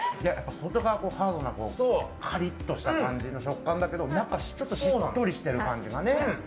外側がハードでカリッとした感じの食感だけど中はしっとりしてる感じがね。